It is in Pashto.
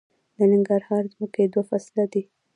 د ننګرهار ځمکې دوه فصله دي